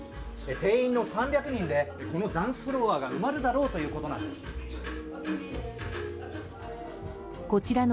定員の３００人でこのダンスフロアが埋まるだろうということです。